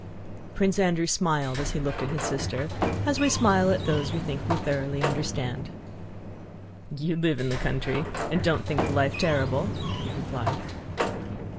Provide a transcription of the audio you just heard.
Prince Andrew smiled as he looked at his sister, as we smile at those we think we thoroughly understand. "You live in the country and don't think the life terrible," he replied.